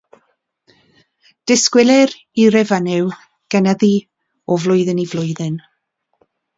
Disgwylir i refeniw gynyddu o flwyddyn i flwyddyn.